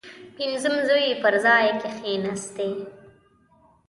پنځم زوی یې پر ځای کښېنستی.